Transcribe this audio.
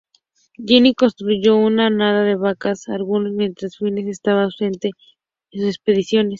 Ginny construyó una manada de vacas Angus mientras Fiennes estaba ausente en sus expediciones.